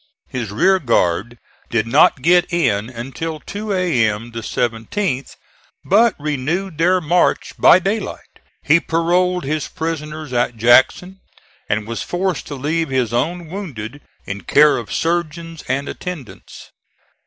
His rear guard did not get in until two A.M. the 17th, but renewed their march by daylight. He paroled his prisoners at Jackson, and was forced to leave his own wounded in care of surgeons and attendants.